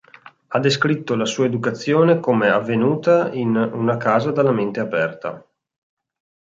Ha descritto la sua educazione come avvenuta in "una casa dalla mente aperta".